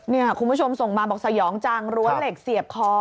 นี่คุณผู้ชมส่งมาบอกสยองจังรั้วเหล็กเสียบคอ